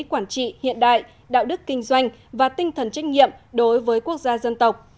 quản trị hiện đại đạo đức kinh doanh và tinh thần trách nhiệm đối với quốc gia dân tộc